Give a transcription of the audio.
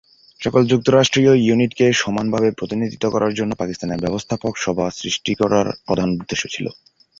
সকল যুক্তরাষ্ট্রিয় ইউনিট কে সমান ভাবে প্রতিনিধিত্ব করার জন্য পাকিস্তানের ব্যবস্থাপক সভা সৃষ্টি করার প্রধান উদ্দেশ্য ছিল।